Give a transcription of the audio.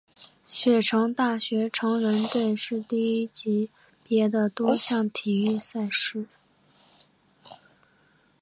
雪城大学橙人队第一级别的多项体育赛事。